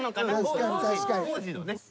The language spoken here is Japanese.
当時のね。